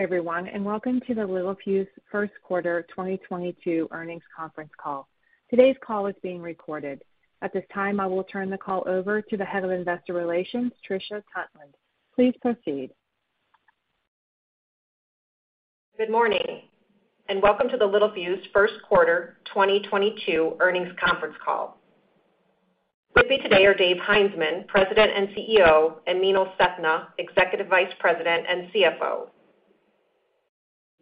Everyone, welcome to the Littelfuse First Quarter 2022 Earnings Conference Call. Today's call is being recorded. At this time, I will turn the call over to the Head of Investor Relations, Trisha Tuntland. Please proceed. Good morning, and welcome to the Littelfuse First Quarter 2022 Earnings Conference Call. With me today are Dave Heinzmann, President and CEO, and Meenal Sethna, Executive Vice President and CFO.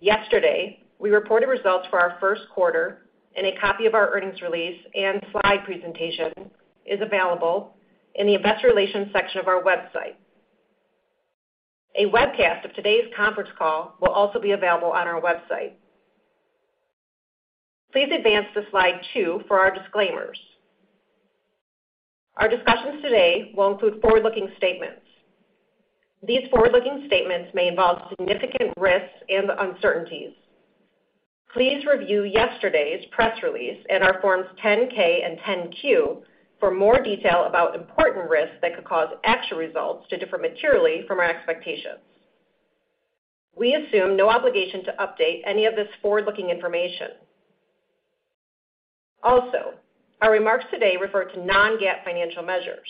Yesterday, we reported results for our first quarter, and a copy of our earnings release and slide presentation is available in the investor relations section of our website. A webcast of today's conference call will also be available on our website. Please advance to slide 2 for our disclaimers. Our discussions today will include forward-looking statements. These forward-looking statements may involve significant risks and uncertainties. Please review yesterday's press release and our Forms 10-K and 10-Q for more detail about important risks that could cause actual results to differ materially from our expectations. We assume no obligation to update any of this forward-looking information. Also, our remarks today refer to non-GAAP financial measures.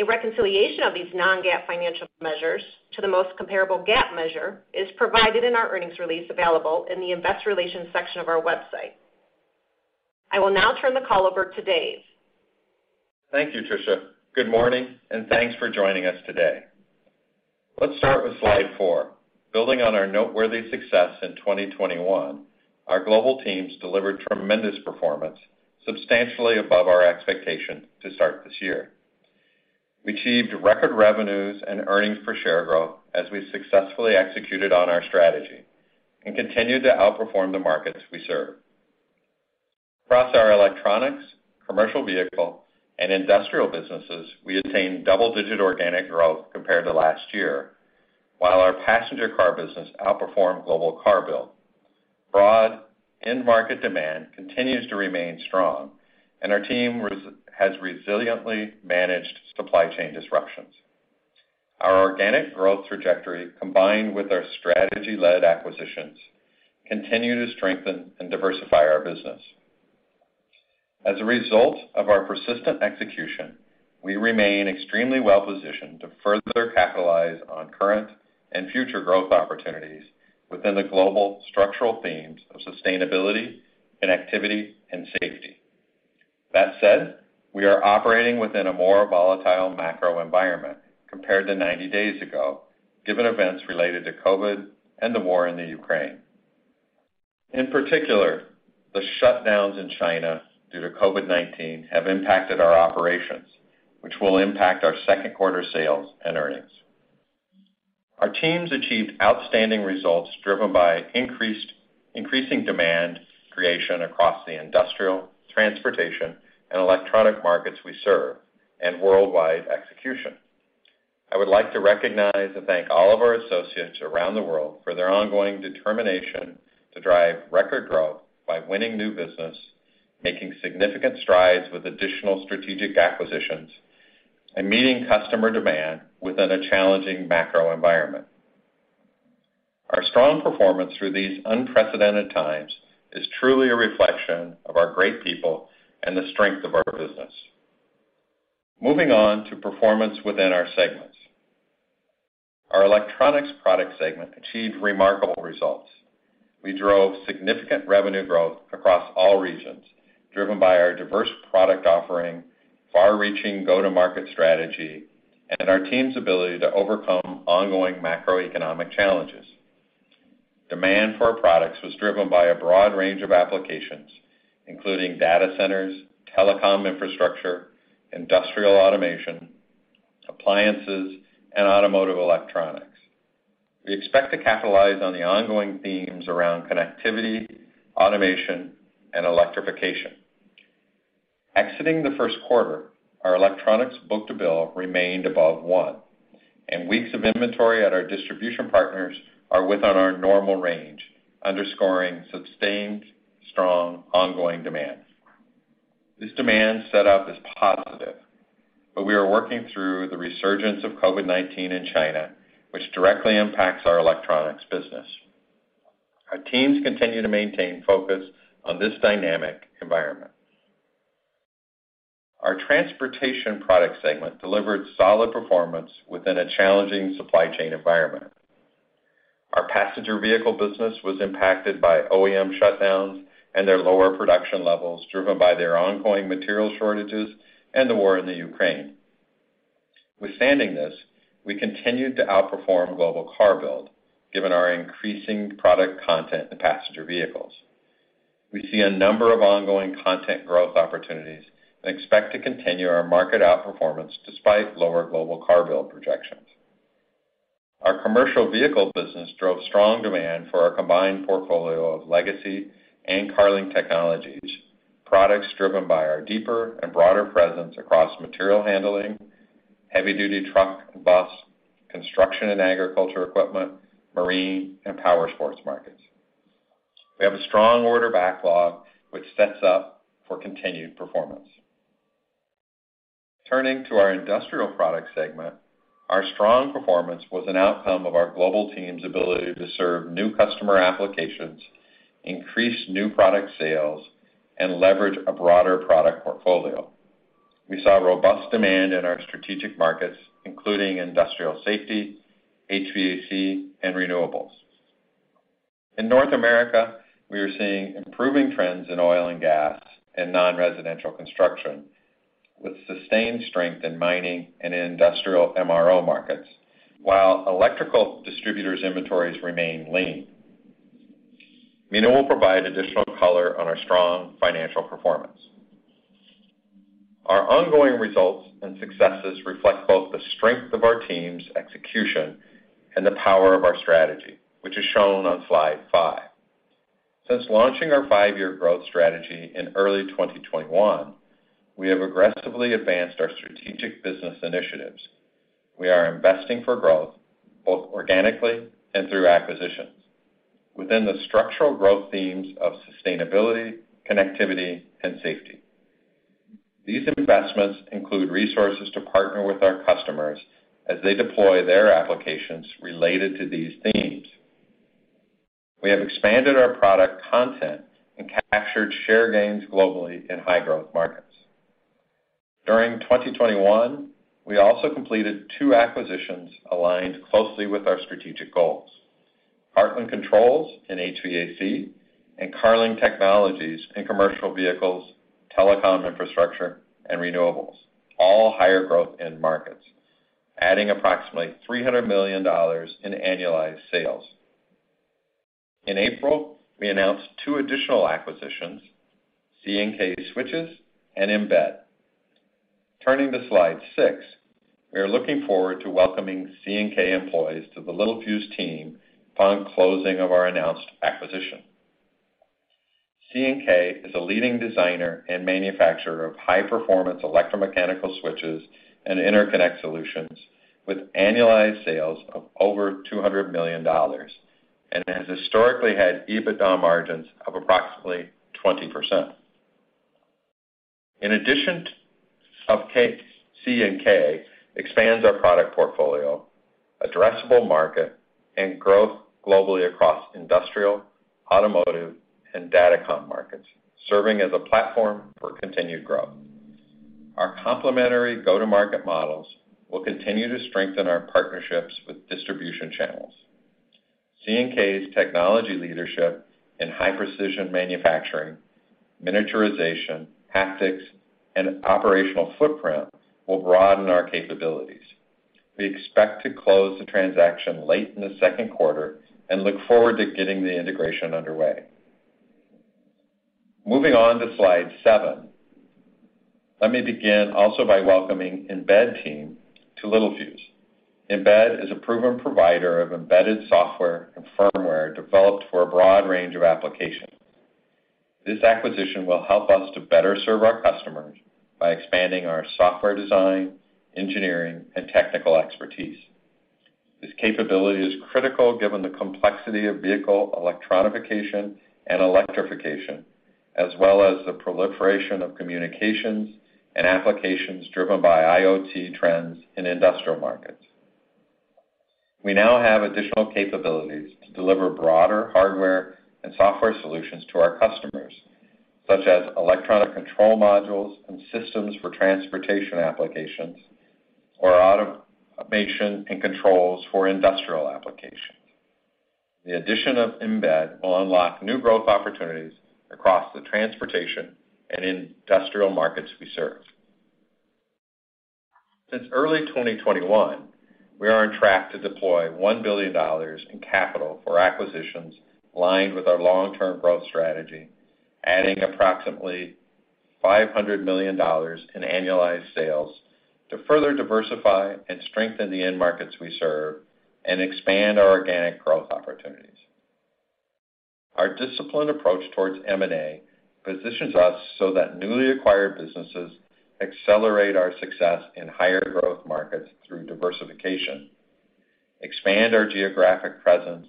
A reconciliation of these non-GAAP financial measures to the most comparable GAAP measure is provided in our earnings release available in the investor relations section of our website. I will now turn the call over to Dave. Thank you, Trisha. Good morning, and thanks for joining us today. Let's start with slide 4. Building on our noteworthy success in 2021, our global teams delivered tremendous performance substantially above our expectation to start this year. We achieved record revenues and earnings per share growth as we successfully executed on our strategy and continued to outperform the markets we serve. Across our electronics, commercial vehicle, and industrial businesses, we attained double-digit organic growth compared to last year, while our passenger car business outperformed global car build. Broad end market demand continues to remain strong, and our team has resiliently managed supply chain disruptions. Our organic growth trajectory, combined with our strategy-led acquisitions, continue to strengthen and diversify our business. As a result of our persistent execution, we remain extremely well-positioned to further capitalize on current and future growth opportunities within the global structural themes of sustainability, connectivity, and safety. That said, we are operating within a more volatile macro environment compared to 90 days ago, given events related to COVID and the war in the Ukraine. In particular, the shutdowns in China due to COVID-19 have impacted our operations, which will impact our second quarter sales and earnings. Our teams achieved outstanding results driven by increasing demand creation across the industrial, transportation, and electronic markets we serve and worldwide execution. I would like to recognize and thank all of our associates around the world for their ongoing determination to drive record growth by winning new business, making significant strides with additional strategic acquisitions, and meeting customer demand within a challenging macro environment. Our strong performance through these unprecedented times is truly a reflection of our great people and the strength of our business. Moving on to performance within our segments. Our electronics product segment achieved remarkable results. We drove significant revenue growth across all regions, driven by our diverse product offering, far-reaching go-to-market strategy, and our team's ability to overcome ongoing macroeconomic challenges. Demand for our products was driven by a broad range of applications, including data centers, telecom infrastructure, industrial automation, appliances, and automotive electronics. We expect to capitalize on the ongoing themes around connectivity, automation, and electrification. Exiting the first quarter, our electronics book-to-bill remained above one, and weeks of inventory at our distribution partners are within our normal range, underscoring sustained, strong, ongoing demand. This demand set up is positive, but we are working through the resurgence of COVID-19 in China, which directly impacts our electronics business. Our teams continue to maintain focus on this dynamic environment. Our transportation product segment delivered solid performance within a challenging supply chain environment. Our passenger vehicle business was impacted by OEM shutdowns and their lower production levels, driven by their ongoing material shortages and the war in the Ukraine. Withstanding this, we continued to outperform global car build, given our increasing product content in passenger vehicles. We see a number of ongoing content growth opportunities and expect to continue our market outperformance despite lower global car build projections. Our commercial vehicle business drove strong demand for our combined portfolio of legacy and Carling Technologies products driven by our deeper and broader presence across material handling, heavy-duty truck and bus, construction and agriculture equipment, marine, and powersports markets. We have a strong order backlog, which sets up for continued performance. Turning to our industrial product segment, our strong performance was an outcome of our global team's ability to serve new customer applications, increase new product sales, and leverage a broader product portfolio. We saw robust demand in our strategic markets, including industrial safety, HVAC, and renewables. In North America, we are seeing improving trends in oil and gas and non-residential construction, with sustained strength in mining and industrial MRO markets, while electrical distributors' inventories remain lean. Meenal Sethna will provide additional color on our strong financial performance. Our ongoing results and successes reflect both the strength of our team's execution and the power of our strategy, which is shown on slide 5. Since launching our five-year growth strategy in early 2021, we have aggressively advanced our strategic business initiatives. We are investing for growth both organically and through acquisitions within the structural growth themes of sustainability, connectivity, and safety. These investments include resources to partner with our customers as they deploy their applications related to these themes. We have expanded our product content and captured share gains globally in high growth markets. During 2021, we also completed 2 acquisitions aligned closely with our strategic goals. Hartland Controls in HVAC and Carling Technologies in commercial vehicles, telecom infrastructure, and renewables, all higher growth end markets, adding approximately $300 million in annualized sales. In April, we announced 2 additional acquisitions, C&K Switches and Embed. Turning to slide 6. We are looking forward to welcoming C&K employees to the Littelfuse team upon closing of our announced acquisition. C&K is a leading designer and manufacturer of high-performance electromechanical switches and interconnect solutions with annualized sales of over $200 million, and has historically had EBITDA margins of approximately 20%. In addition, C&K expands our product portfolio, addressable market, and growth globally across industrial, automotive, and datacom markets, serving as a platform for continued growth. Our complementary go-to-market models will continue to strengthen our partnerships with distribution channels. C&K's technology leadership in high precision manufacturing, miniaturization, haptics, and operational footprint will broaden our capabilities. We expect to close the transaction late in the second quarter and look forward to getting the integration underway. Moving on to slide 7. Let me begin also by welcoming Embed team to Littelfuse. Embed is a proven provider of embedded software and firmware developed for a broad range of applications. This acquisition will help us to better serve our customers by expanding our software design, engineering, and technical expertise. This capability is critical given the complexity of vehicle electronification and electrification, as well as the proliferation of communications and applications driven by IoT trends in industrial markets. We now have additional capabilities to deliver broader hardware and software solutions to our customers, such as electronic control modules and systems for transportation applications or automation and controls for industrial applications. The addition of Embed will unlock new growth opportunities across the transportation and industrial markets we serve. Since early 2021, we are on track to deploy $1 billion in capital for acquisitions aligned with our long-term growth strategy, adding approximately $500 million in annualized sales to further diversify and strengthen the end markets we serve and expand our organic growth opportunities. Our disciplined approach towards M&A positions us so that newly acquired businesses accelerate our success in higher growth markets through diversification, expand our geographic presence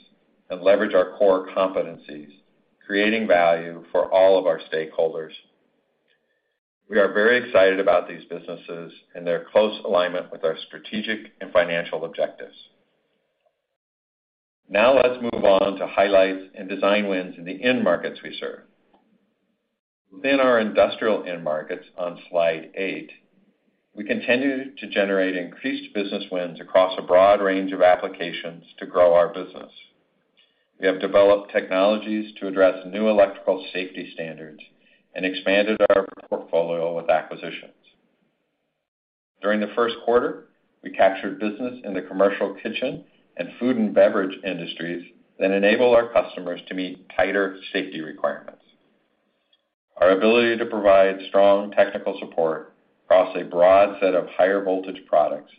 and leverage our core competencies, creating value for all of our stakeholders. We are very excited about these businesses and their close alignment with our strategic and financial objectives. Now let's move on to highlights and design wins in the end markets we serve. Within our industrial end markets on Slide eight, we continue to generate increased business wins across a broad range of applications to grow our business. We have developed technologies to address new electrical safety standards and expanded our portfolio with acquisitions. During the first quarter, we captured business in the commercial kitchen and food and beverage industries that enable our customers to meet tighter safety requirements. Our ability to provide strong technical support across a broad set of higher voltage products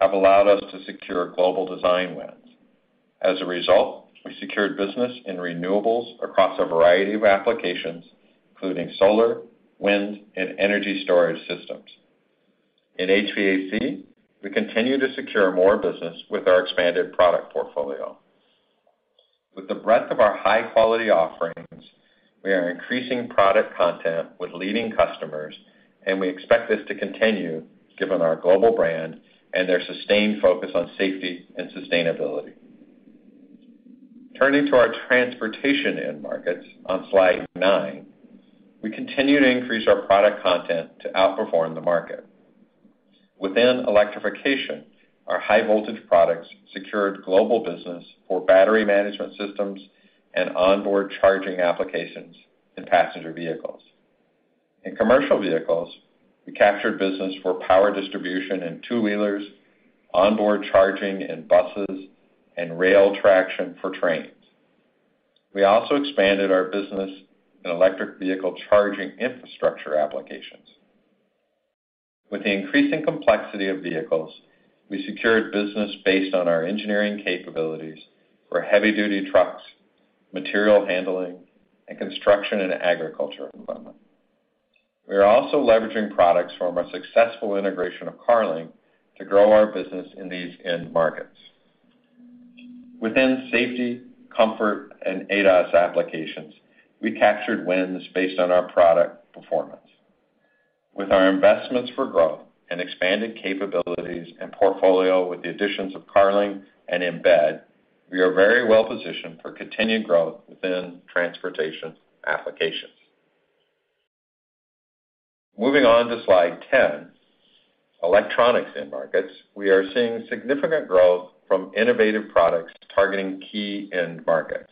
have allowed us to secure global design wins. As a result, we secured business in renewables across a variety of applications, including solar, wind, and energy storage systems. In HVAC, we continue to secure more business with our expanded product portfolio. With the breadth of our high-quality offerings, we are increasing product content with leading customers, and we expect this to continue given our global brand and their sustained focus on safety and sustainability. Turning to our transportation end markets on slide 9, we continue to increase our product content to outperform the market. Within electrification, our high voltage products secured global business for battery management systems and onboard charging applications in passenger vehicles. In commercial vehicles, we captured business for power distribution in two-wheelers, onboard charging in buses, and rail traction for trains. We also expanded our business in electric vehicle charging infrastructure applications. With the increasing complexity of vehicles, we secured business based on our engineering capabilities for heavy-duty trucks, material handling, and construction and agriculture equipment. We are also leveraging products from our successful integration of Carling to grow our business in these end markets. Within safety, comfort, and ADAS applications, we captured wins based on our product performance. With our investments for growth and expanded capabilities and portfolio with the additions of Carling and Embed, we are very well positioned for continued growth within transportation applications. Moving on to Slide 10, electronics end markets, we are seeing significant growth from innovative products targeting key end markets.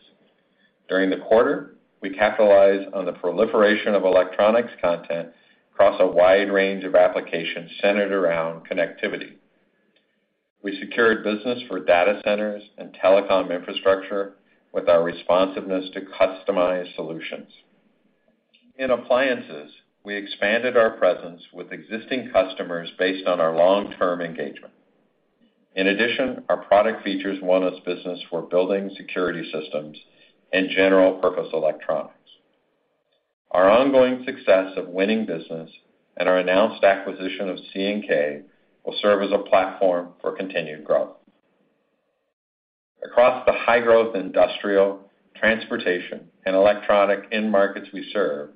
During the quarter, we capitalized on the proliferation of electronics content across a wide range of applications centered around connectivity. We secured business for data centers and telecom infrastructure with our responsiveness to customized solutions. In appliances, we expanded our presence with existing customers based on our long-term engagement. In addition, our product features won us business for building security systems and general purpose electronics. Our ongoing success of winning business and our announced acquisition of C&K will serve as a platform for continued growth. Across the high-growth industrial, transportation, and electronic end markets we serve,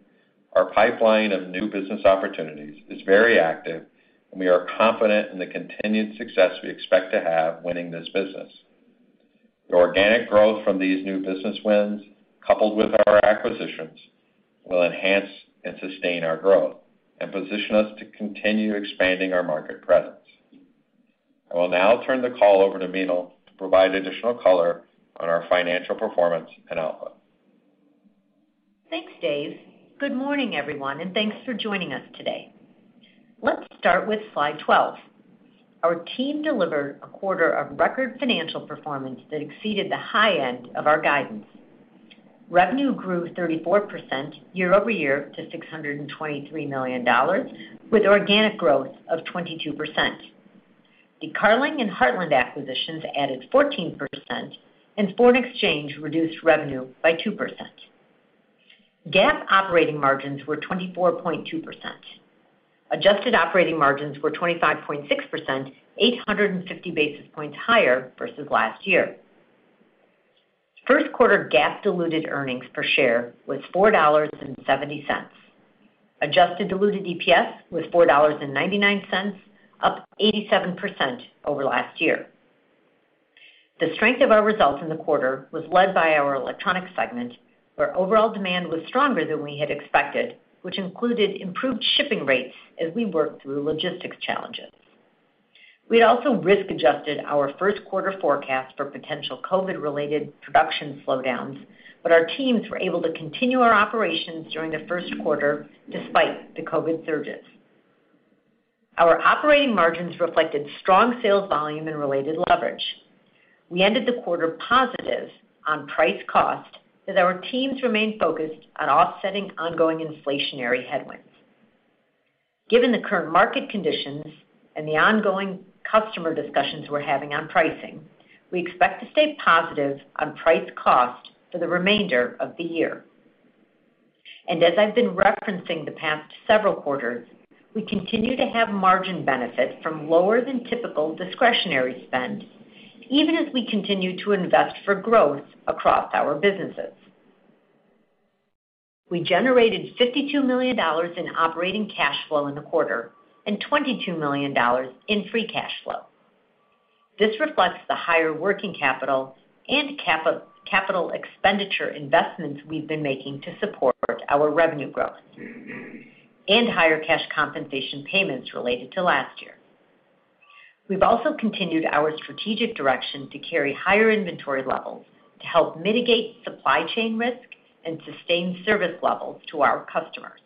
our pipeline of new business opportunities is very active, and we are confident in the continued success we expect to have winning this business. The organic growth from these new business wins, coupled with our acquisitions, will enhance and sustain our growth and position us to continue expanding our market presence. I will now turn the call over to Meenal to provide additional color on our financial performance and outlook. Thanks, Dave. Good morning, everyone, and thanks for joining us today. Let's start with slide 12. Our team delivered a quarter of record financial performance that exceeded the high end of our guidance. Revenue grew 34% year-over-year to $623 million, with organic growth of 22%. The Carling and Hartland acquisitions added 14%, and foreign exchange reduced revenue by 2%. GAAP operating margins were 24.2%. Adjusted operating margins were 25.6%, 850 basis points higher versus last year. First quarter GAAP diluted earnings per share was $4.70. Adjusted diluted EPS was $4.99, up 87% over last year. The strength of our results in the quarter was led by our electronics segment, where overall demand was stronger than we had expected, which included improved shipping rates as we worked through logistics challenges. We had also risk-adjusted our first quarter forecast for potential COVID-related production slowdowns, but our teams were able to continue our operations during the first quarter despite the COVID surges. Our operating margins reflected strong sales volume and related leverage. We ended the quarter positive on price cost as our teams remained focused on offsetting ongoing inflationary headwinds. Given the current market conditions and the ongoing customer discussions we're having on pricing, we expect to stay positive on price cost for the remainder of the year. As I've been referencing the past several quarters, we continue to have margin benefit from lower than typical discretionary spend, even as we continue to invest for growth across our businesses. We generated $52 million in operating cash flow in the quarter and $22 million in free cash flow. This reflects the higher working capital and capital expenditure investments we've been making to support our revenue growth and higher cash compensation payments related to last year. We've also continued our strategic direction to carry higher inventory levels to help mitigate supply chain risk and sustain service levels to our customers.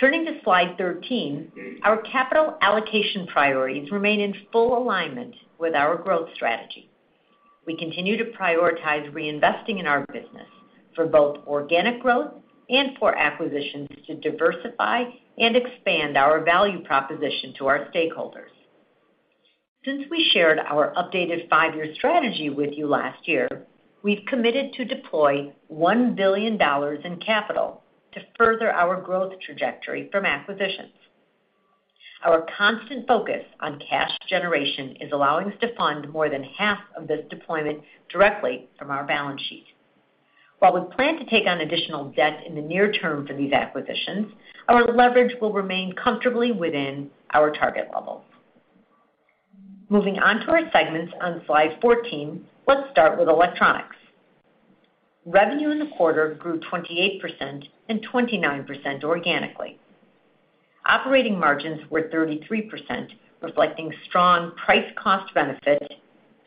Turning to slide 13, our capital allocation priorities remain in full alignment with our growth strategy. We continue to prioritize reinvesting in our business for both organic growth and for acquisitions to diversify and expand our value proposition to our stakeholders. Since we shared our updated 5-year strategy with you last year, we've committed to deploy $1 billion in capital to further our growth trajectory from acquisitions. Our constant focus on cash generation is allowing us to fund more than half of this deployment directly from our balance sheet. While we plan to take on additional debt in the near term for these acquisitions, our leverage will remain comfortably within our target levels. Moving on to our segments on slide 14, let's start with electronics. Revenue in the quarter grew 28% and 29% organically. Operating margins were 33%, reflecting strong price cost benefit,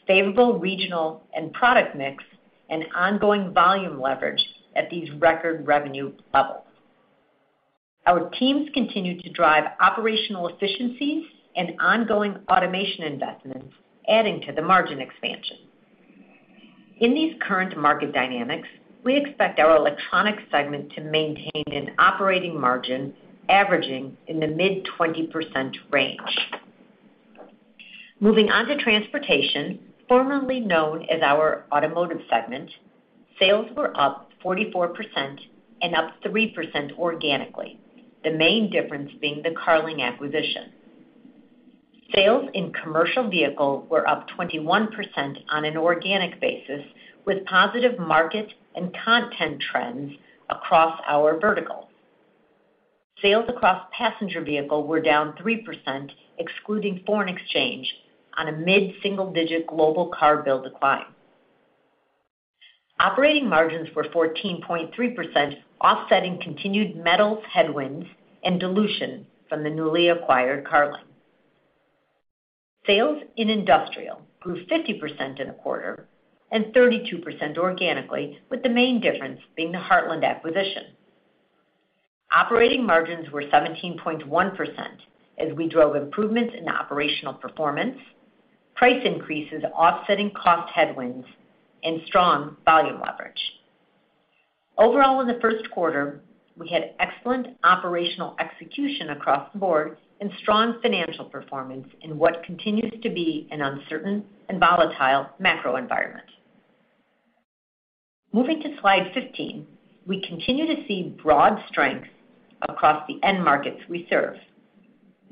favorable regional and product mix, and ongoing volume leverage at these record revenue levels. Our teams continued to drive operational efficiencies and ongoing automation investments, adding to the margin expansion. In these current market dynamics, we expect our electronics segment to maintain an operating margin averaging in the mid-20% range. Moving on to transportation, formerly known as our automotive segment, sales were up 44% and up 3% organically, the main difference being the Carling acquisition. Sales in commercial vehicles were up 21% on an organic basis, with positive market and content trends across our verticals. Sales across passenger vehicles were down 3%, excluding foreign exchange, on a mid-single-digit global car build decline. Operating margins were 14.3%, offsetting continued metals headwinds and dilution from the newly acquired Carling. Sales in industrial grew 50% in the quarter and 32% organically, with the main difference being the Hartland acquisition. Operating margins were 17.1% as we drove improvements in operational performance, price increases offsetting cost headwinds, and strong volume leverage. Overall, in the first quarter, we had excellent operational execution across the board and strong financial performance in what continues to be an uncertain and volatile macro environment. Moving to slide 15. We continue to see broad strengths across the end markets we serve.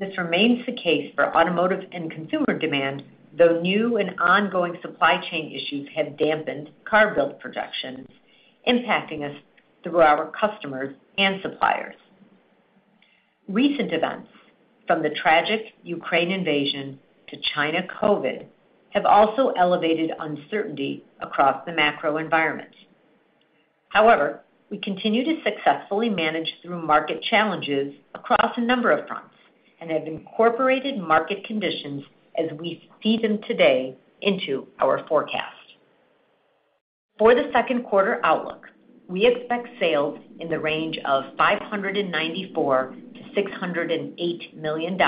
This remains the case for automotive and consumer demand, though new and ongoing supply chain issues have dampened car build production, impacting us through our customers and suppliers. Recent events, from the tragic Ukraine invasion to China COVID, have also elevated uncertainty across the macro environment. However, we continue to successfully manage through market challenges across a number of fronts and have incorporated market conditions as we see them today into our forecast. For the second quarter outlook, we expect sales in the range of $594 million-$608 million,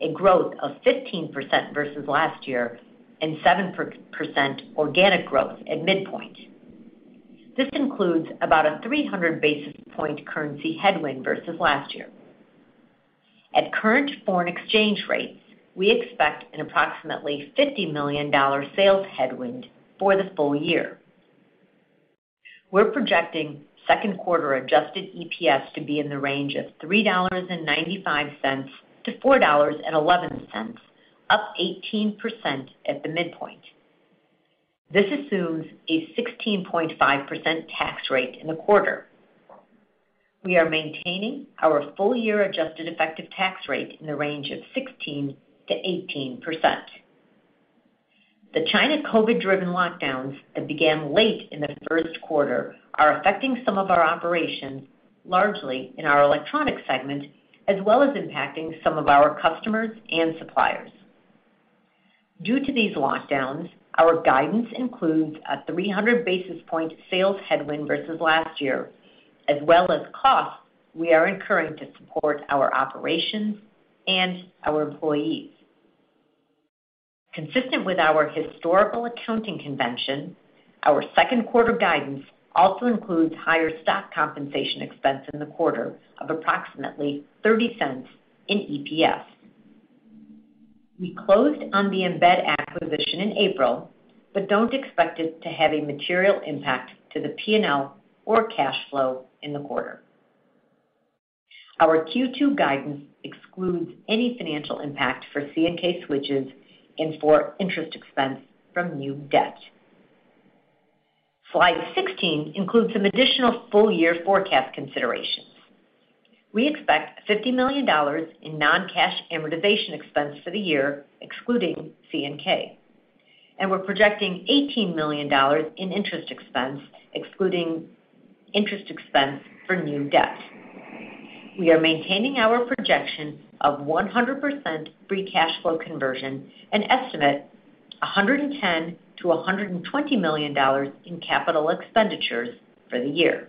a growth of 15% versus last year and 7% organic growth at midpoint. This includes about a 300 basis point currency headwind versus last year. At current foreign exchange rates, we expect an approximately $50 million sales headwind for the full year. We're projecting second quarter adjusted EPS to be in the range of $3.95-$4.11, up 18% at the midpoint. This assumes a 16.5% tax rate in the quarter. We are maintaining our full year adjusted effective tax rate in the range of 16%-18%. The China COVID-driven lockdowns that began late in the first quarter are affecting some of our operations, largely in our electronics segment, as well as impacting some of our customers and suppliers. Due to these lockdowns, our guidance includes a 300 basis points sales headwind versus last year, as well as costs we are incurring to support our operations and our employees. Consistent with our historical accounting convention, our second quarter guidance also includes higher stock compensation expense in the quarter of approximately $0.30 in EPS. We closed on the Embed acquisition in April, but don't expect it to have a material impact to the P&L or cash flow in the quarter. Our Q2 guidance excludes any financial impact for C&K Switches and for interest expense from new debt. Slide 16 includes some additional full-year forecast considerations. We expect $50 million in non-cash amortization expense for the year, excluding C&K, and we're projecting $18 million in interest expense, excluding interest expense for new debt. We are maintaining our projection of 100% free cash flow conversion and estimate $110 million-$120 million in capital expenditures for the year.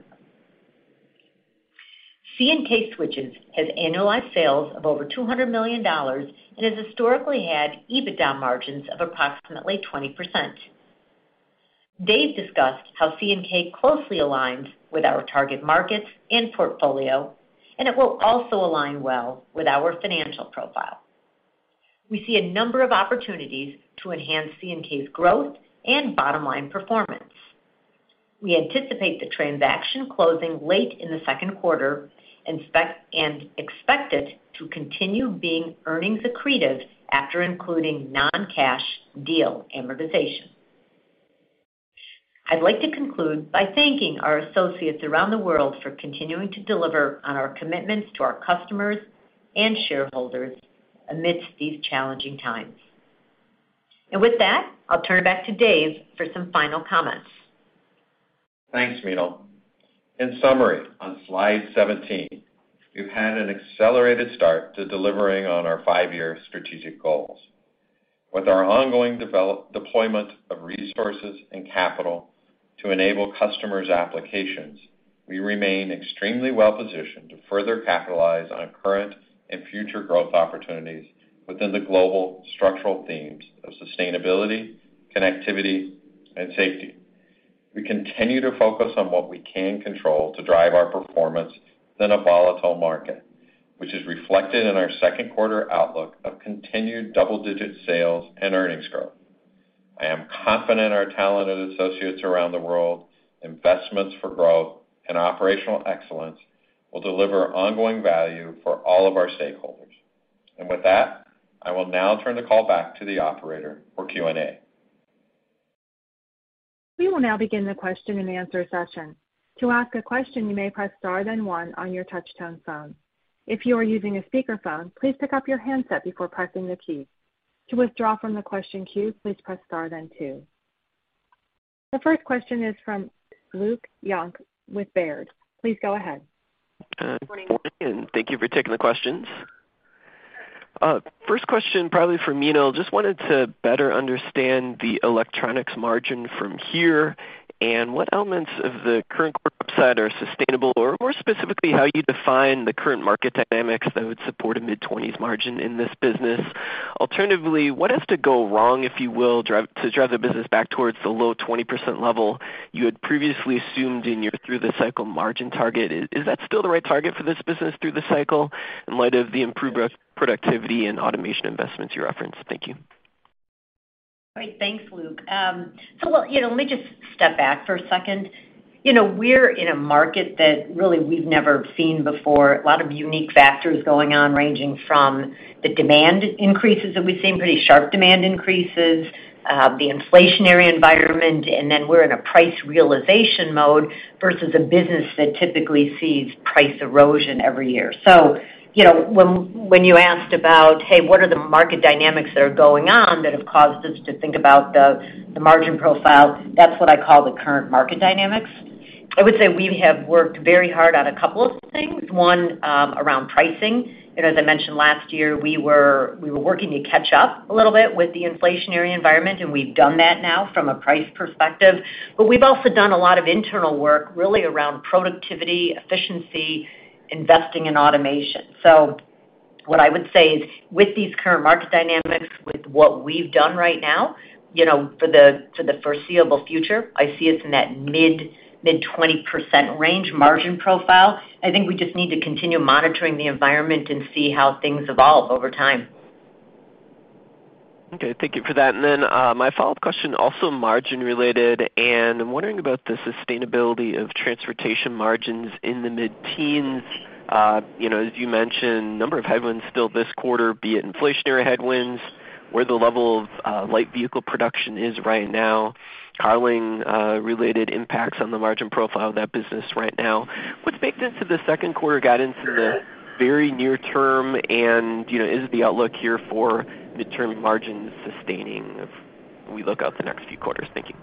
C&K Switches has annualized sales of over $200 million and has historically had EBITDA margins of approximately 20%. Dave discussed how C&K closely aligns with our target markets and portfolio, and it will also align well with our financial profile. We see a number of opportunities to enhance C&K's growth and bottom-line performance. We anticipate the transaction closing late in the second quarter, and expect it to continue being earnings accretive after including non-cash deal amortization. I'd like to conclude by thanking our associates around the world for continuing to deliver on our commitments to our customers and shareholders amidst these challenging times. With that, I'll turn it back to Dave for some final comments. Thanks, Meenal. In summary, on slide 17, we've had an accelerated start to delivering on our five-year strategic goals. With our ongoing deployment of resources and capital to enable customers' applications, we remain extremely well-positioned to further capitalize on current and future growth opportunities within the global structural themes of sustainability, connectivity, and safety. We continue to focus on what we can control to drive our performance in a volatile market, which is reflected in our second quarter outlook of continued double-digit sales and earnings growth. I am confident our talented associates around the world, investments for growth and operational excellence will deliver ongoing value for all of our stakeholders. With that, I will now turn the call back to the operator for Q&A. We will now begin the question-and-answer session. To ask a question, you may press star then one on your touchtone phone. If you are using a speakerphone, please pick up your handset before pressing the key. To withdraw from the question queue, please press star then two. The first question is from Luke Junk with Baird. Please go ahead. Good morning, and thank you for taking the questions. First question probably for Meenal. Just wanted to better understand the electronics margin from here and what elements of the current growth upside are sustainable, or more specifically, how you define the current market dynamics that would support a mid-20s margin in this business. Alternatively, what has to go wrong, if you will, to drive the business back towards the low 20% level you had previously assumed in your through the cycle margin target? Is that still the right target for this business through the cycle in light of the improved pro-productivity and automation investments you referenced? Thank you. Great. Thanks, Luke. Well, you know, let me just step back for a second. You know, we're in a market that really we've never seen before. A lot of unique factors going on, ranging from the demand increases that we've seen, pretty sharp demand increases, the inflationary environment, and then we're in a price realization mode versus a business that typically sees price erosion every year. You know, when you asked about, "Hey, what are the market dynamics that are going on that have caused us to think about the margin profile?" That's what I call the current market dynamics. I would say we have worked very hard on a couple of things, one, around pricing. You know, as I mentioned last year, we were working to catch up a little bit with the inflationary environment, and we've done that now from a price perspective. We've also done a lot of internal work really around productivity, efficiency, investing in automation. What I would say is with these current market dynamics, with what we've done right now, you know, for the foreseeable future, I see us in that mid-20% range margin profile. I think we just need to continue monitoring the environment and see how things evolve over time. Okay. Thank you for that. Then, my follow-up question, also margin related, and I'm wondering about the sustainability of transportation margins in the mid-teens. You know, as you mentioned, number of headwinds still this quarter, be it inflationary headwinds, where the level of light vehicle production is right now, Carling-related impacts on the margin profile of that business right now, what's baked into the second quarter guidance in the very near term? You know, is the outlook here for midterm margins sustaining if we look out the next few quarters? Thank you.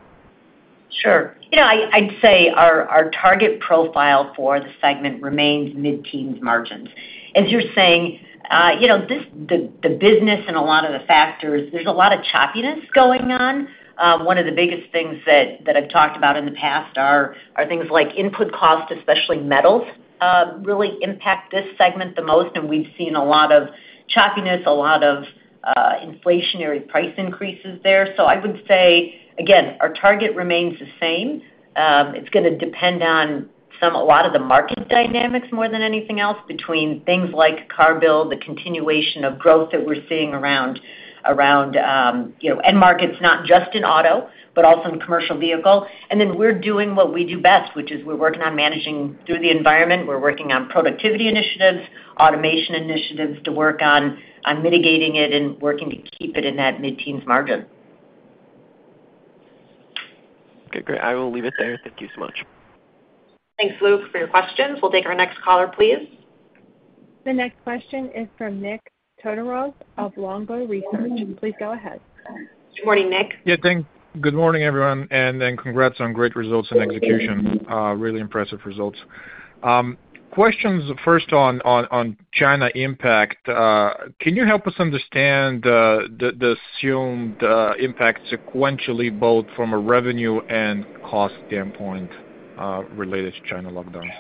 Sure. You know, I'd say our target profile for the segment remains mid-teen margins. As you're saying, you know, the business and a lot of the factors, there's a lot of choppiness going on. One of the biggest things that I've talked about in the past are things like input costs, especially metals, really impact this segment the most, and we've seen a lot of choppiness, a lot of inflationary price increases there. I would say, again, our target remains the same. It's gonna depend on a lot of the market dynamics more than anything else between things like car build, the continuation of growth that we're seeing around end markets, not just in auto, but also in commercial vehicle. We're doing what we do best, which is we're working on managing through the environment. We're working on productivity initiatives, automation initiatives to work on mitigating it and working to keep it in that mid-teens% margin. Okay, great. I will leave it there. Thank you so much. Thanks, Luke, for your questions. We'll take our next caller, please. The next question is from Nik Todorov of Longbow Research. Please go ahead. Good morning, Nik. Yeah, good morning, everyone, and then congrats on great results and execution. Really impressive results. Questions first on China impact. Can you help us understand the assumed impact sequentially, both from a revenue and cost standpoint, related to China lockdowns?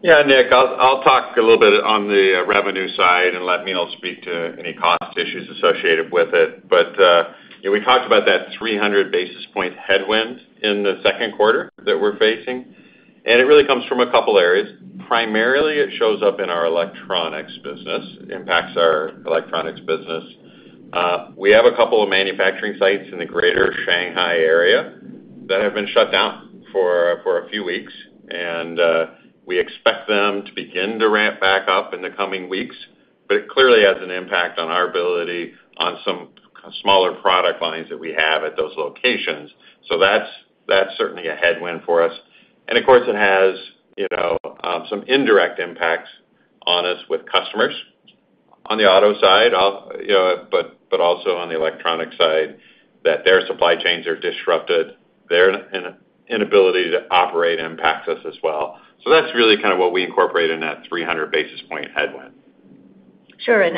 Yeah, Nik, I'll talk a little bit on the revenue side and let Meenal speak to any cost issues associated with it. Yeah, we talked about that 300 basis points headwind in the second quarter that we're facing. It really comes from a couple areas. Primarily, it shows up in our electronics business. It impacts our electronics business. We have a couple of manufacturing sites in the greater Shanghai area that have been shut down for a few weeks, and we expect them to begin to ramp back up in the coming weeks. It clearly has an impact on our ability on some smaller product lines that we have at those locations. That's certainly a headwind for us. Of course, it has, you know, some indirect impacts on us with customers on the auto side of, you know, but also on the electronic side that their supply chains are disrupted. Their inability to operate impacts us as well. That's really kind of what we incorporate in that 300 basis point headwind. Sure. On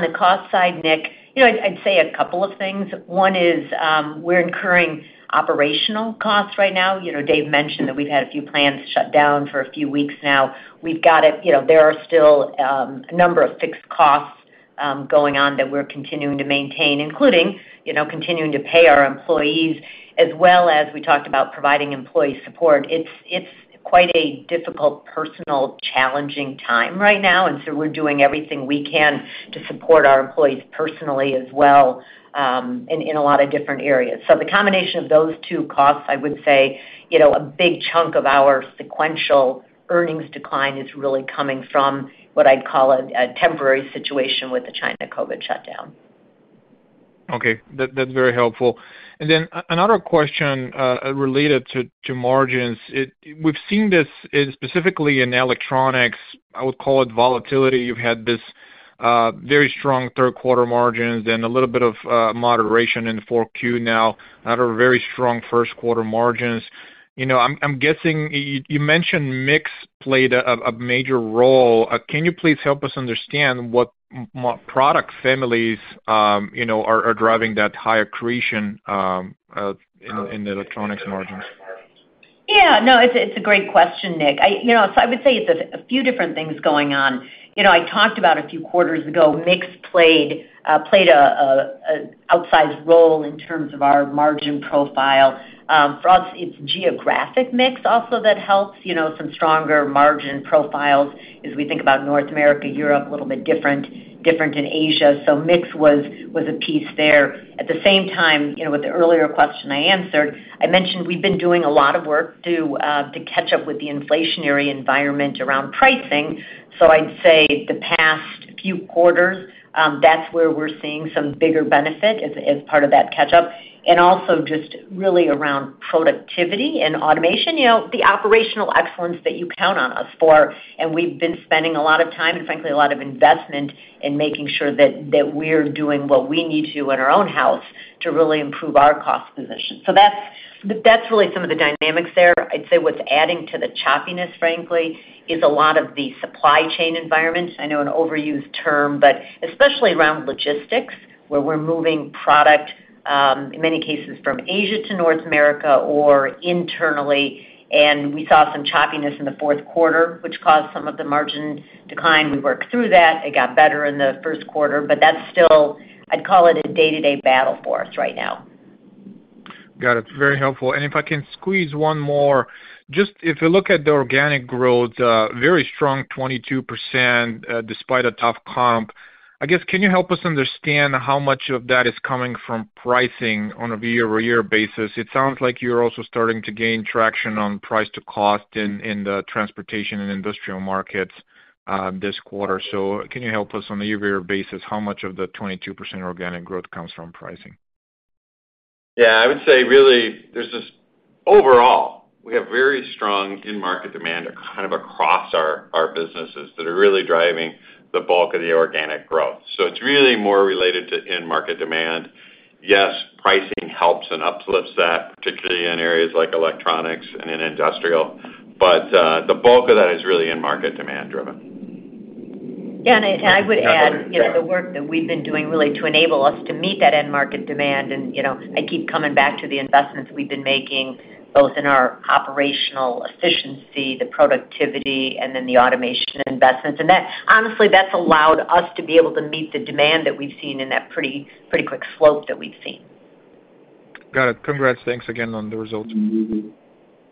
the cost side, Nik, you know, I'd say a couple of things. One is, we're incurring operational costs right now. You know, Dave mentioned that we've had a few plants shut down for a few weeks now. You know, there are still a number of fixed costs going on that we're continuing to maintain, including, you know, continuing to pay our employees, as well as we talked about providing employee support. It's quite a difficult, personally challenging time right now, and we're doing everything we can to support our employees personally as well, in a lot of different areas. The combination of those two costs, I would say, you know, a big chunk of our sequential earnings decline is really coming from what I'd call a temporary situation with the China COVID shutdown. That's very helpful. Another question related to margins. We've seen this specifically in electronics, I would call it volatility. You've had this very strong third quarter margins and a little bit of moderation in 4Q, now another very strong first quarter margins. I'm guessing you mentioned mix played a major role. Can you please help us understand what product families are driving that higher accretion in electronics margins? Yeah. No, it's a great question, Nik. You know, I would say it's a few different things going on. You know, I talked about a few quarters ago, mix played an outsized role in terms of our margin profile. For us, it's geographic mix also that helps, you know, some stronger margin profiles as we think about North America, Europe, a little bit different in Asia. Mix was a piece there. At the same time, you know, with the earlier question I answered, I mentioned we've been doing a lot of work to catch up with the inflationary environment around pricing. I'd say the past few quarters, that's where we're seeing some bigger benefit as part of that catch-up. Also just really around productivity and automation, you know, the operational excellence that you count on us for, and we've been spending a lot of time, and frankly, a lot of investment in making sure that we're doing what we need to in our own house to really improve our cost position. That's really some of the dynamics there. I'd say what's adding to the choppiness, frankly, is a lot of the supply chain environment. I know an overused term, but especially around logistics, where we're moving product in many cases from Asia to North America or internally. We saw some choppiness in the fourth quarter, which caused some of the margin decline. We worked through that. It got better in the first quarter, but that's still, I'd call it a day-to-day battle for us right now. Got it. Very helpful. If I can squeeze one more. Just if you look at the organic growth, very strong 22%, despite a tough comp. I guess can you help us understand how much of that is coming from pricing on a year-over-year basis? It sounds like you're also starting to gain traction on price to cost in the transportation and industrial markets, this quarter. Can you help us on the year-over-year basis, how much of the 22% organic growth comes from pricing? Yeah. I would say overall, we have very strong end market demand kind of across our businesses that are really driving the bulk of the organic growth. It's really more related to end market demand. Yes, pricing helps and uplifts that, particularly in areas like electronics and in industrial. The bulk of that is really end market demand driven. Yeah. I would add, you know, the work that we've been doing really to enable us to meet that end market demand. I keep coming back to the investments we've been making, both in our operational efficiency, the productivity, and then the automation investments. That, honestly, that's allowed us to be able to meet the demand that we've seen in that pretty quick slope that we've seen. Got it. Congrats. Thanks again on the results.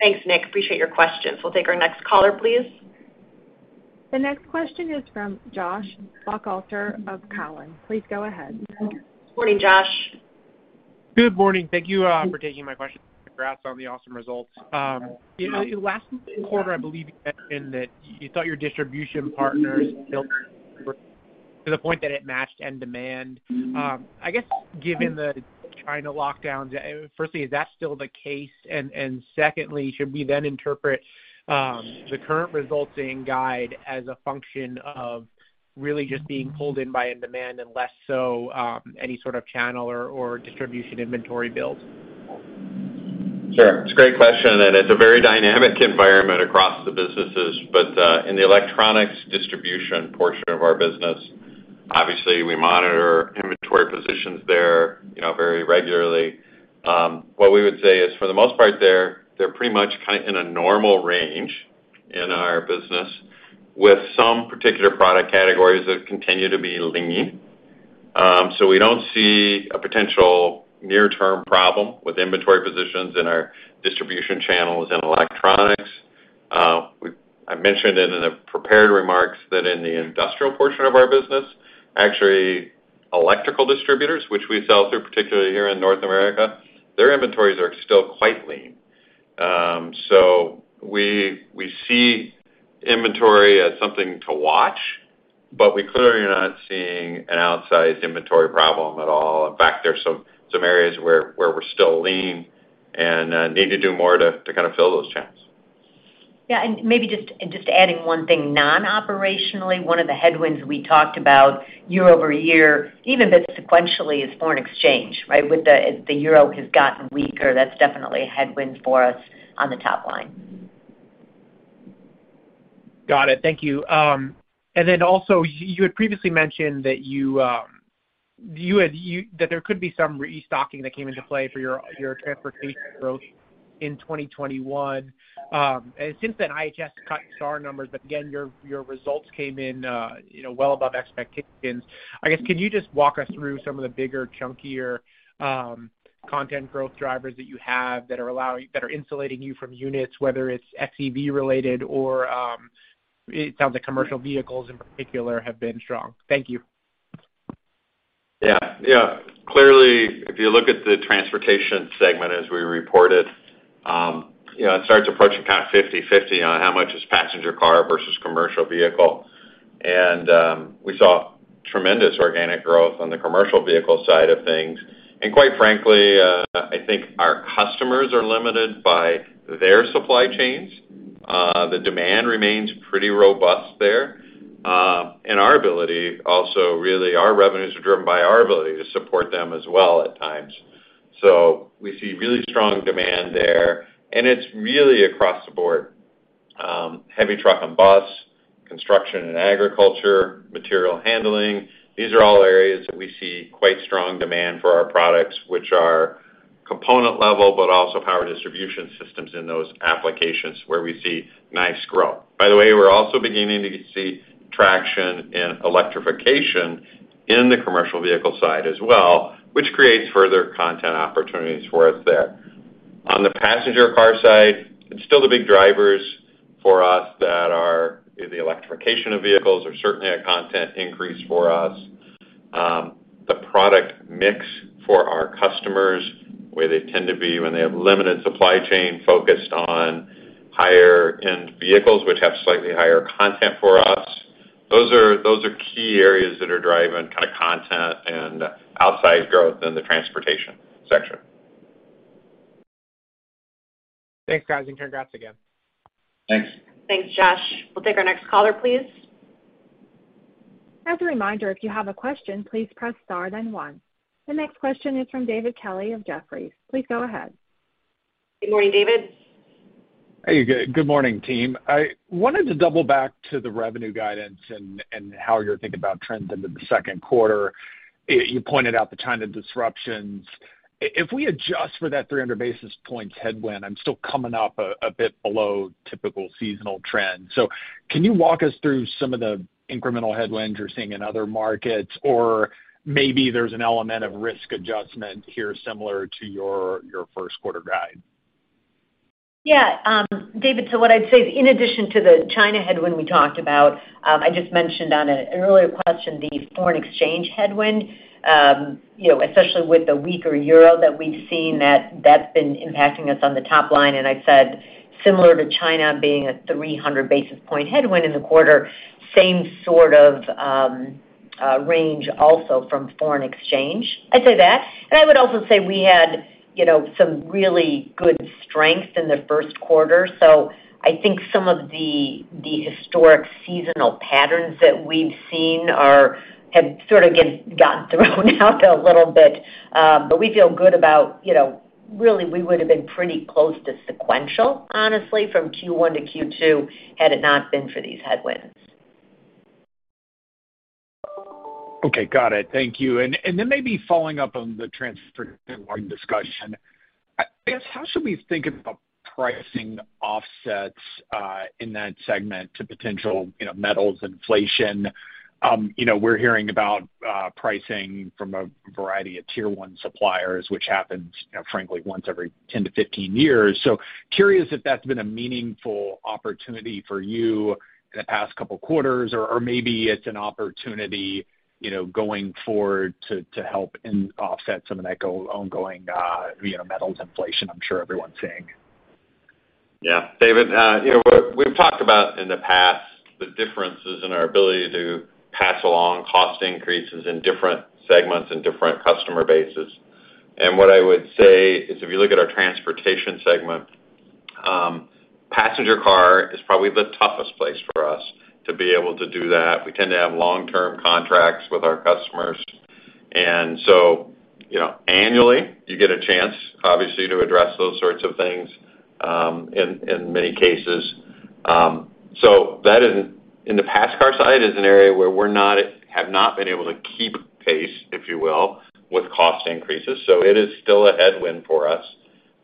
Thanks, Nik. Appreciate your questions. We'll take our next caller, please. The next question is from Joshua Buchalter of Cowen. Please go ahead. Morning, Josh. Good morning. Thank you for taking my question. Congrats on the awesome results. You know, last quarter, I believe you mentioned that you thought your distribution partners built to the point that it matched end demand. I guess, given the China lockdowns, firstly, is that still the case? Secondly, should we then interpret the current results in guide as a function of really just being pulled in by end demand and less so any sort of channel or distribution inventory build? Sure. It's a great question, and it's a very dynamic environment across the businesses. In the electronics distribution portion of our business, obviously we monitor inventory positions there, you know, very regularly. What we would say is for the most part there, they're pretty much in a normal range in our business, with some particular product categories that continue to be lean. We don't see a potential near-term problem with inventory positions in our distribution channels and electronics. I mentioned it in the prepared remarks that in the industrial portion of our business, actually electrical distributors, which we sell through, particularly here in North America, their inventories are still quite lean. We see inventory as something to watch, but we clearly are not seeing an outsized inventory problem at all. In fact, there's some areas where we're still lean and need to do more to kind of fill those channels. Yeah. Maybe just adding one thing non-operationally, one of the headwinds we talked about year-over-year, even a bit sequentially, is foreign exchange, right? The euro has gotten weaker. That's definitely a headwind for us on the top line. Got it. Thank you. You had previously mentioned that you had that there could be some restocking that came into play for your transportation growth in 2021. Since then, IHS cut car numbers, but again, your results came in, you know, well above expectations. I guess, can you just walk us through some of the bigger, chunkier, content growth drivers that you have that are insulating you from units, whether it's FEV related or, it sounds like commercial vehicles in particular have been strong. Thank you. Clearly, if you look at the transportation segment as we reported, it starts approaching kind of 50/50 on how much is passenger car versus commercial vehicle. We saw tremendous organic growth on the commercial vehicle side of things. Quite frankly, I think our customers are limited by their supply chains. The demand remains pretty robust there. Our ability also, really, our revenues are driven by our ability to support them as well at times. We see really strong demand there, and it's really across the board, heavy truck and bus, construction and agriculture, material handling. These are all areas that we see quite strong demand for our products, which are component level, but also power distribution systems in those applications where we see nice growth. By the way, we're also beginning to see traction in electrification in the commercial vehicle side as well, which creates further content opportunities for us there. On the passenger car side, it's still the big drivers for us that are the electrification of vehicles are certainly a content increase for us. The product mix for our customers, where they tend to be when they have limited supply chain focused on higher end vehicles, which have slightly higher content for us. Those are key areas that are driving kind of content and outsized growth in the transportation section. Thanks, guys, and congrats again. Thanks. Thanks, Josh. We'll take our next caller, please. As a reminder, if you have a question, please press star then one. The next question is from David Kelley of Jefferies. Please go ahead. Good morning, David. Hey, good morning, team. I wanted to double back to the revenue guidance and how you're thinking about trends into the second quarter. You pointed out the China disruptions. If we adjust for that 300 basis points headwind, I'm still coming up a bit below typical seasonal trends. Can you walk us through some of the incremental headwinds you're seeing in other markets? Or maybe there's an element of risk adjustment here similar to your first quarter guide. Yeah. David, what I'd say is, in addition to the China headwind we talked about, I just mentioned on an earlier question, the foreign exchange headwind, you know, especially with the weaker euro that we've seen, that's been impacting us on the top line, and I said similar to China being a 300 basis point headwind in the quarter, same sort of range also from foreign exchange. I'd say that. I would also say we had, you know, some really good strength in the first quarter. I think some of the historic seasonal patterns that we've seen have sort of gotten thrown out a little bit. We feel good about, you know, really we would've been pretty close to sequential, honestly, from Q1-Q2 had it not been for these headwinds. Okay. Got it. Thank you. Maybe following up on the transportation-wide discussion. I guess, how should we think about pricing offsets in that segment to potential, you know, metals inflation? You know, we're hearing about pricing from a variety of tier one suppliers, which happens, you know, frankly once every 10-15 years. Curious if that's been a meaningful opportunity for you in the past couple quarters or maybe it's an opportunity, you know, going forward to help offset some of that ongoing, you know, metals inflation I'm sure everyone's seeing. Yeah. David, you know what we've talked about in the past, the differences in our ability to pass along cost increases in different segments and different customer bases. What I would say is, if you look at our transportation segment, passenger car is probably the toughest place for us to be able to do that. We tend to have long-term contracts with our customers. You know, annually, you get a chance, obviously, to address those sorts of things, in many cases. That is in the passenger car side is an area where we have not been able to keep pace, if you will, with cost increases. It is still a headwind for us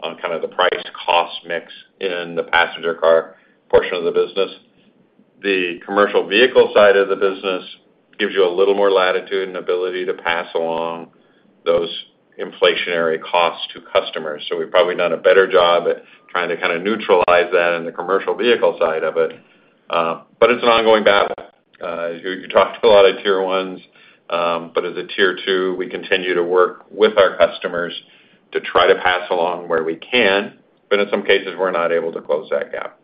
on kind of the price cost mix in the passenger car portion of the business. The commercial vehicle side of the business gives you a little more latitude and ability to pass along those inflationary costs to customers. We've probably done a better job at trying to kinda neutralize that in the commercial vehicle side of it. It's an ongoing battle. You talked to a lot of tier ones, but as a tier two, we continue to work with our customers to try to pass along where we can, but in some cases, we're not able to close that gap.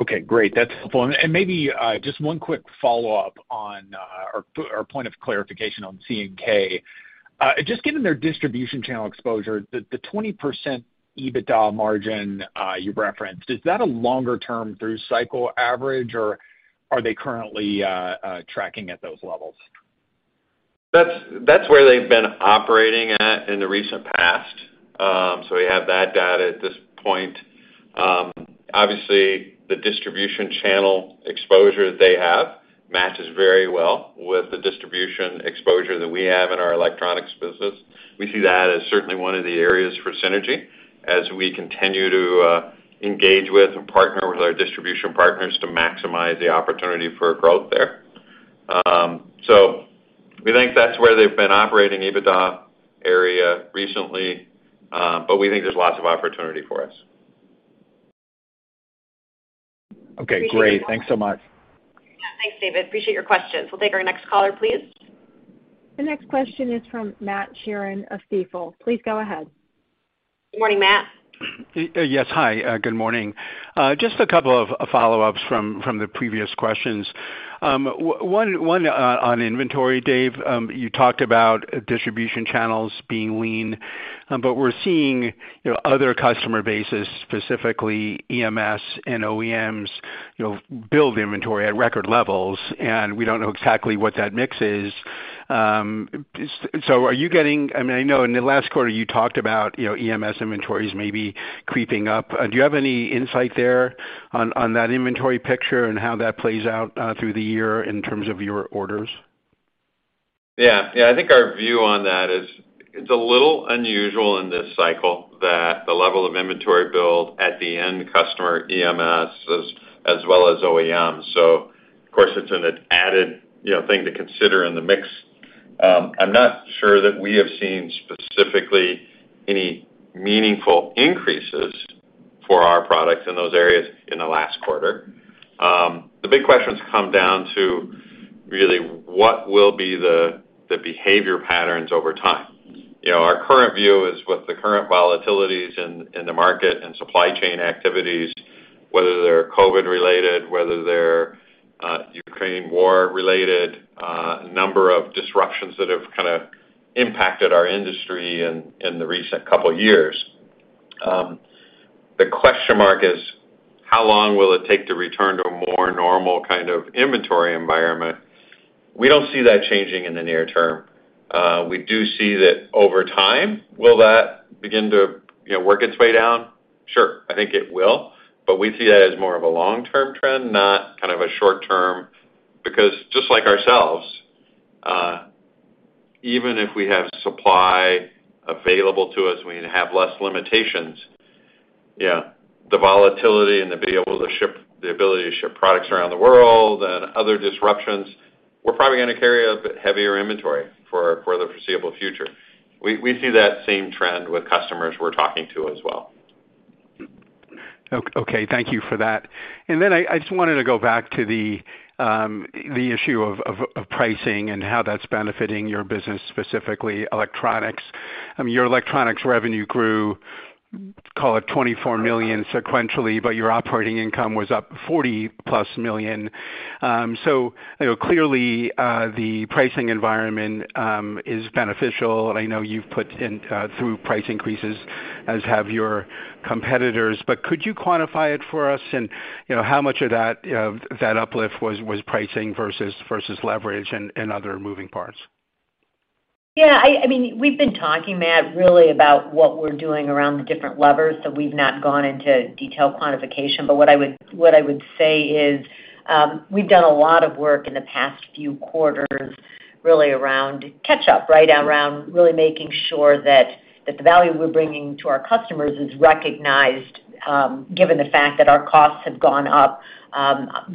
Okay, great. That's helpful. Maybe just one quick follow-up on or point of clarification on C&K. Just given their distribution channel exposure, the 20% EBITDA margin you referenced, is that a longer term through cycle average, or are they currently tracking at those levels? That's where they've been operating at in the recent past. We have that data at this point. Obviously, the distribution channel exposure that they have matches very well with the distribution exposure that we have in our electronics business. We see that as certainly one of the areas for synergy as we continue to engage with and partner with our distribution partners to maximize the opportunity for growth there. We think that's where they've been operating EBITDA area recently, but we think there's lots of opportunity for us. Okay, great. Thanks so much. Yeah. Thanks, David. Appreciate your questions. We'll take our next caller, please. The next question is from Matt Sheerin of Stifel. Please go ahead. Good morning, Matt. Yes. Hi. Good morning. Just a couple of follow-ups from the previous questions. One on inventory, Dave. You talked about distribution channels being lean, but we're seeing, you know, other customer bases, specifically EMS and OEMs, you know, build inventory at record levels, and we don't know exactly what that mix is. So are you getting? I mean, I know in the last quarter, you talked about, you know, EMS inventories maybe creeping up. Do you have any insight there on that inventory picture and how that plays out through the year in terms of your orders? Yeah. I think our view on that is it's a little unusual in this cycle that the level of inventory build at the end customer EMS as well as OEMs. So of course, it's an added, you know, thing to consider in the mix. I'm not sure that we have seen specifically any meaningful increases for our products in those areas in the last quarter. The big questions come down to really what will be the behavior patterns over time. You know, our current view is with the current volatilities in the market and supply chain activities, whether they're COVID-related, whether they're Ukraine war-related, number of disruptions that have kinda impacted our industry in the recent couple years. The question mark is, how long will it take to return to a more normal kind of inventory environment? We don't see that changing in the near-term. We do see that over time, will that begin to, you know, work its way down? Sure. I think it will. We see that as more of a long-term trend, not kind of a short-term. Because just like ourselves, even if we have supply available to us, we have less limitations, yeah, the volatility and the ability to ship products around the world and other disruptions, we're probably gonna carry a bit heavier inventory for the foreseeable future. We see that same trend with customers we're talking to as well. Okay. Thank you for that. I just wanted to go back to the issue of pricing and how that's benefiting your business, specifically electronics. I mean, your electronics revenue grew, call it $24 million sequentially, but your operating income was up $40+ million. You know, clearly, the pricing environment is beneficial, and I know you've put in through price increases, as have your competitors. Could you quantify it for us? You know, how much of that uplift was pricing versus leverage and other moving parts? Yeah, I mean, we've been talking, Matt, really about what we're doing around the different levers, so we've not gone into detailed quantification. What I would say is, we've done a lot of work in the past few quarters really around catch up, right? Around really making sure that the value we're bringing to our customers is recognized, given the fact that our costs have gone up,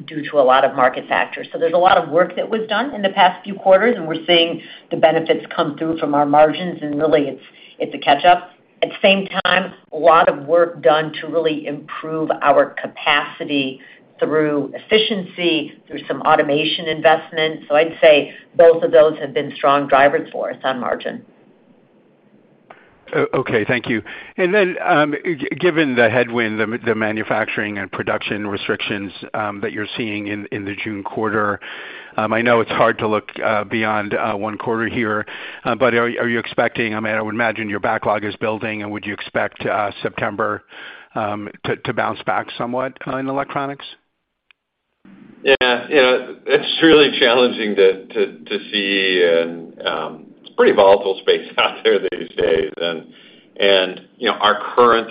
due to a lot of market factors. There's a lot of work that was done in the past few quarters, and we're seeing the benefits come through from our margins, and really, it's a catch up. At the same time, a lot of work done to really improve our capacity through efficiency, through some automation investments. I'd say both of those have been strong drivers for us on margin. Okay. Thank you. Then, given the headwind, the manufacturing and production restrictions that you're seeing in the June quarter, I know it's hard to look beyond one quarter here, but are you expecting? I mean, I would imagine your backlog is building, and would you expect September to bounce back somewhat in electronics? Yeah. You know, it's really challenging to see, and it's pretty volatile space out there these days. You know, our current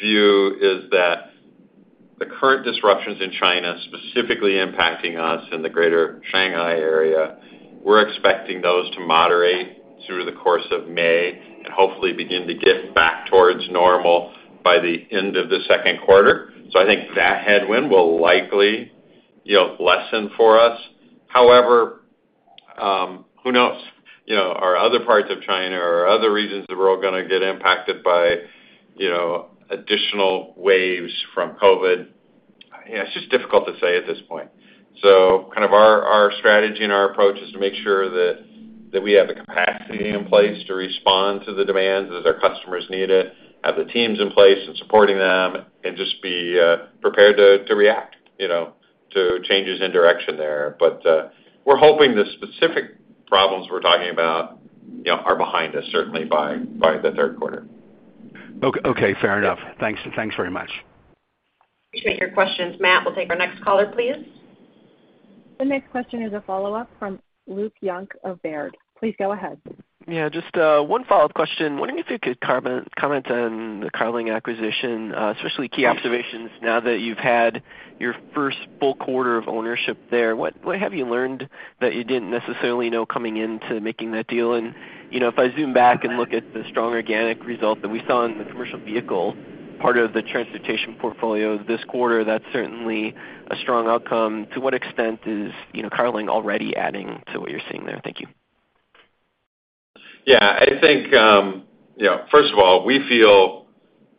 view is that the current disruptions in China, specifically impacting us in the Greater Shanghai area, we're expecting those to moderate through the course of May. Hopefully begin to get back towards normal by the end of the second quarter. I think that headwind will likely, you know, lessen for us. However, who knows? You know, are other parts of China or other regions of the world gonna get impacted by, you know, additional waves from COVID? You know, it's just difficult to say at this point. Kind of our strategy and our approach is to make sure that we have the capacity in place to respond to the demands as our customers need it, have the teams in place and supporting them, and just be prepared to react, you know, to changes in direction there. We're hoping the specific problems we're talking about, you know, are behind us certainly by the third quarter. Okay, fair enough. Thanks very much. Appreciate your questions, Matt. We'll take our next caller, please. The next question is a follow-up from Luke Junk of Baird. Please go ahead. Yeah, just one follow-up question. Wondering if you could comment on the Carling acquisition, especially key observations now that you've had your first full quarter of ownership there. What have you learned that you didn't necessarily know coming into making that deal? You know, if I zoom back and look at the strong organic result that we saw in the commercial vehicle part of the transportation portfolio this quarter, that's certainly a strong outcome. To what extent is you know, Carling already adding to what you're seeing there? Thank you. Yeah. I think, you know, first of all, we feel,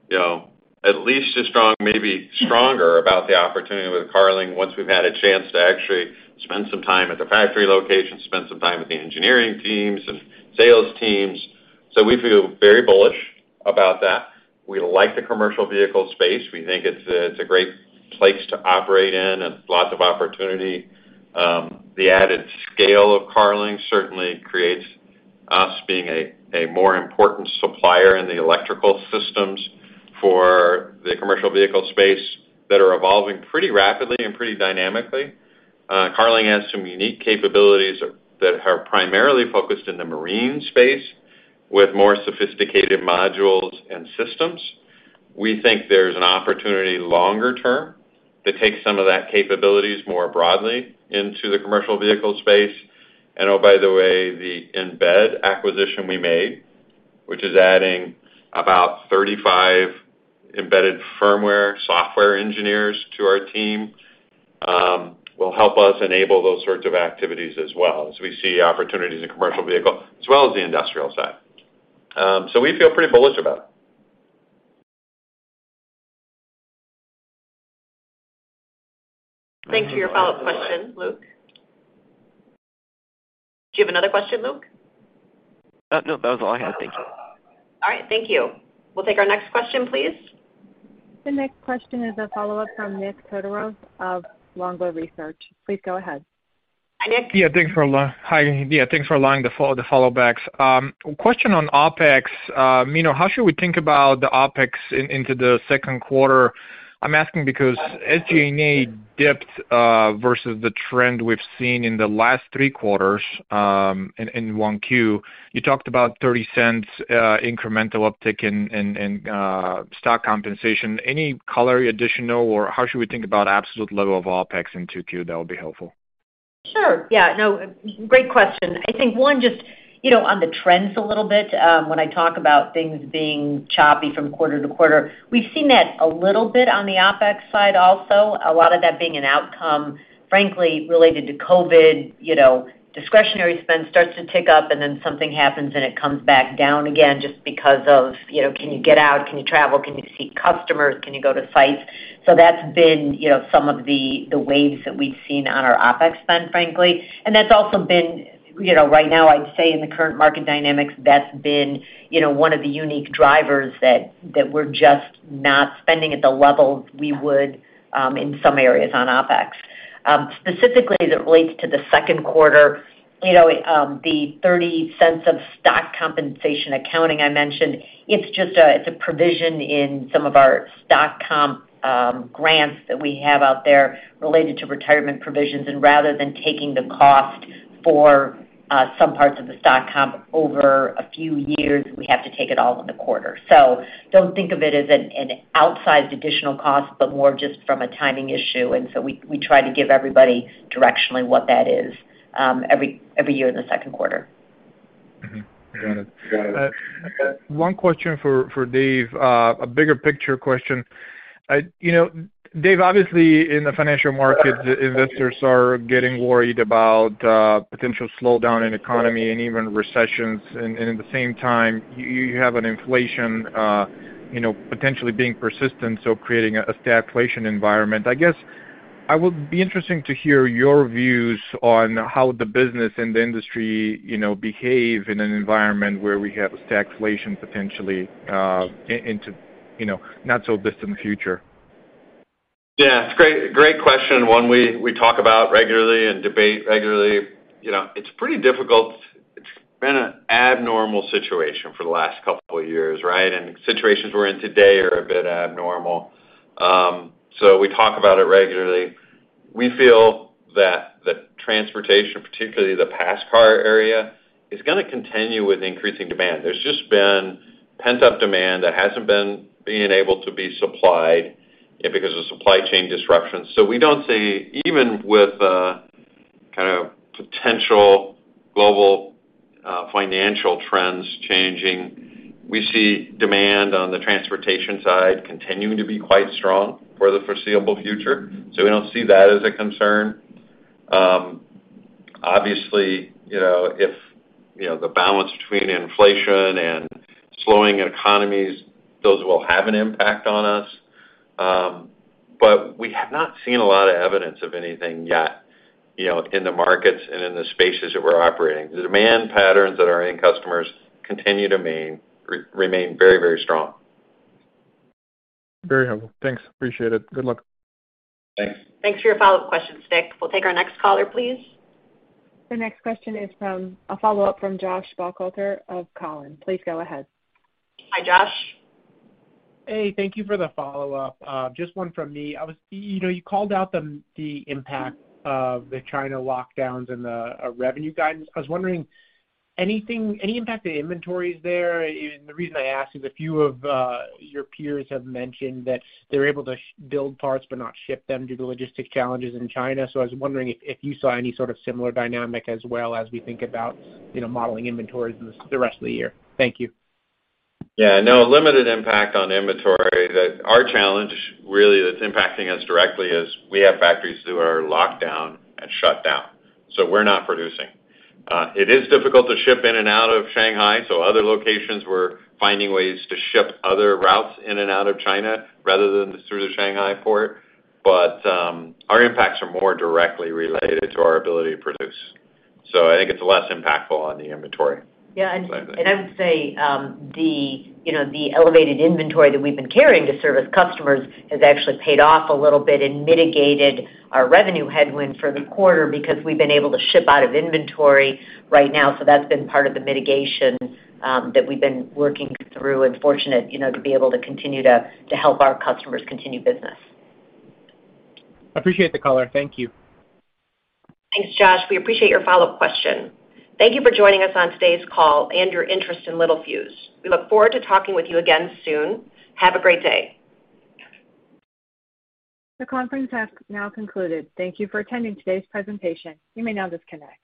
you know, at least as strong, maybe stronger about the opportunity with Carling once we've had a chance to actually spend some time at the factory location, spend some time with the engineering teams and sales teams. We feel very bullish about that. We like the commercial vehicle space. We think it's a great place to operate in and lots of opportunity. The added scale of Carling certainly creates us being a more important supplier in the electrical systems for the commercial vehicle space that are evolving pretty rapidly and pretty dynamically. Carling has some unique capabilities that are primarily focused in the marine space with more sophisticated modules and systems. We think there's an opportunity longer term to take some of that capabilities more broadly into the commercial vehicle space. Oh, by the way, the Embed acquisition we made, which is adding about 35 embedded firmware software engineers to our team, will help us enable those sorts of activities as well as we see opportunities in commercial vehicle as well as the industrial side. We feel pretty bullish about it. Thanks for your follow-up question, Luke. Do you have another question, Luke? No, that was all I had. Thank you. All right, thank you. We'll take our next question, please. The next question is a follow-up from Nik Todorov of Longbow Research. Please go ahead. Hi, Nik. Hi, yeah, thanks for allowing the follow-ups. Question on OpEx. You know, how should we think about the OpEx into the second quarter? I'm asking because SG&A dipped versus the trend we've seen in the last three quarters in 1Q. You talked about $0.30 incremental uptick in stock compensation. Any additional color or how should we think about absolute level of OpEx in 2Q that will be helpful? Sure. Yeah. No, great question. I think one, just, you know, on the trends a little bit, when I talk about things being choppy from quarter to quarter, we've seen that a little bit on the OpEx side also. A lot of that being an outcome, frankly, related to COVID. You know, discretionary spend starts to tick up, and then something happens, and it comes back down again just because of, you know, can you get out? Can you travel? Can you see customers? Can you go to sites? So that's been, you know, some of the waves that we've seen on our OpEx spend, frankly. That's also been, you know, right now, I'd say in the current market dynamics, that's been, you know, one of the unique drivers that we're just not spending at the level we would, in some areas on OpEx. Specifically, as it relates to the second quarter, you know, the $0.30 of stock compensation accounting I mentioned, it's just a provision in some of our stock comp grants that we have out there related to retirement provisions. Rather than taking the cost for some parts of the stock comp over a few years, we have to take it all in the quarter. Don't think of it as an outsized additional cost, but more just from a timing issue. We try to give everybody directionally what that is every year in the second quarter. Got it. One question for Dave. A bigger picture question. You know, Dave, obviously, in the financial markets, investors are getting worried about potential slowdown in economy and even recessions. At the same time, you have an inflation, you know, potentially being persistent, so creating a stagflation environment. I guess I would be interesting to hear your views on how the business and the industry, you know, behave in an environment where we have stagflation potentially into, you know, not so distant future. Yeah. It's a great question, one we talk about regularly and debate regularly. You know, it's pretty difficult. It's been an abnormal situation for the last couple of years, right? The situations we're in today are a bit abnormal. We talk about it regularly. We feel that the transportation, particularly the passenger car area, is gonna continue with increasing demand. There's just been pent-up demand that hasn't been being able to be supplied, you know, because of supply chain disruptions. We don't see even with potential global financial trends changing. We see demand on the transportation side continuing to be quite strong for the foreseeable future, so we don't see that as a concern. Obviously, you know, if you know, the balance between inflation and slowing economies, those will have an impact on us. We have not seen a lot of evidence of anything yet, you know, in the markets and in the spaces that we're operating. The demand patterns that are in customers continue to remain very, very strong. Very helpful. Thanks. Appreciate it. Good luck. Thanks. Thanks for your follow-up questions, Nik. We'll take our next caller, please. The next question is a follow-up from Josh Buchalter of Cowen. Please go ahead. Hi, Josh. Hey, thank you for the follow-up. Just one from me. You know, you called out the impact of the China lockdowns and the revenue guidance. I was wondering, any impact to inventories there? The reason I ask is a few of your peers have mentioned that they're able to build parts but not ship them due to logistical challenges in China. I was wondering if you saw any sort of similar dynamic as well as we think about, you know, modeling inventories in the rest of the year. Thank you. Yeah, no. Limited impact on inventory. Our challenge really that's impacting us directly is we have factories that are locked down and shut down, so we're not producing. It is difficult to ship in and out of Shanghai, so other locations we're finding ways to ship other routes in and out of China rather than just through the Shanghai port. But, our impacts are more directly related to our ability to produce. I think it's less impactful on the inventory. Yeah. I would say, you know, the elevated inventory that we've been carrying to service customers has actually paid off a little bit and mitigated our revenue headwind for the quarter because we've been able to ship out of inventory right now. That's been part of the mitigation that we've been working through and fortunate, you know, to be able to continue to help our customers continue business. Appreciate the color. Thank you. Thanks, Josh. We appreciate your follow-up question. Thank you for joining us on today's call and your interest in Littelfuse. We look forward to talking with you again soon. Have a great day. The conference has now concluded. Thank you for attending today's presentation. You may now disconnect.